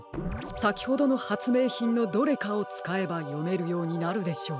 さきほどのはつめいひんのどれかをつかえばよめるようになるでしょう。